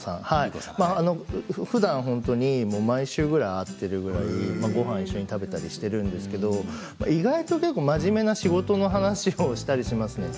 ふだん本当に毎週ぐらい会っているくらい、ごはん一緒に食べたりしているんですけど意外と真面目な仕事の話をしたりしますね。